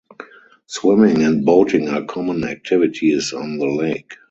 Swimming and boating are common activities on the lake.